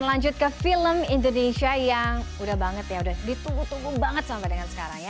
lanjut ke film indonesia yang udah banget ya udah ditunggu tunggu banget sampai dengan sekarang ya